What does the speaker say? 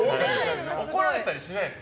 怒られたりしないの？